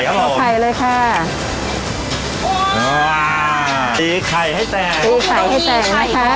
ต่อไข่ครับต่อไข่เลยค่ะตีไข่ให้แต่งตีไข่ให้แต่งนะคะ